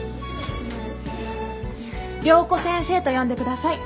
良子先生と呼んでください。